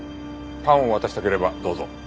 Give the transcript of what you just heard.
パンを渡したければどうぞ。